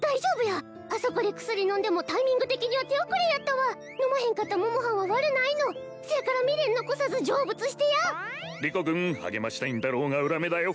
やあそこで薬飲んでもタイミング的には手遅れやったわ飲まへんかった桃はんは悪ないのせやから未練残さず成仏してやリコ君励ましたいんだろうが裏目だよ！